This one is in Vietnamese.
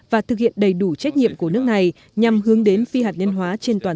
và thực hiện đầy đủ trách nhiệm của nước này nhằm hướng đến phi hạt nhân hóa